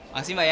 makasih mbak ya